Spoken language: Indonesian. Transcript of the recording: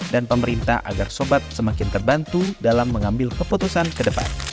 dan pemerintah agar sobat semakin terbantu dalam mengambil keputusan ke depan